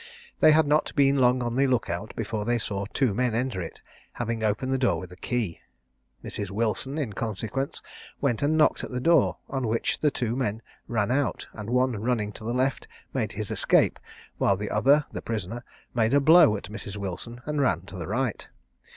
They had not been long on the look out, before they saw two men enter it, having opened the door with a key. Mrs. Wilson, in consequence, went and knocked at the door, on which the two men ran out, and one running to the left made his escape, while the other (the prisoner) made a blow at Mrs. Wilson, and ran to the right.